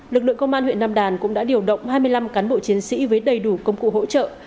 lực lượng công an huyện nam đàn cũng đã điều động hai mươi năm cán bộ chiến sĩ với đầy đủ công cụ hỗ trợ